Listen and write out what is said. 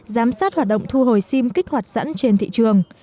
giám sát hoạt động thu hồi sim kích hoạt sẵn trên thị trường